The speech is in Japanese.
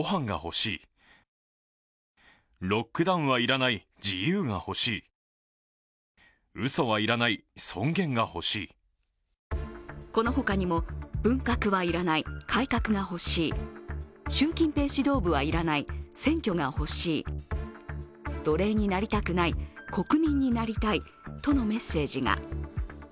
１枚目にはこの他にも、文革は要らない改革が欲しい、習近平指導部は要らない、選挙が欲しい、奴隷になりたくない国民になりたいとのメッセージが。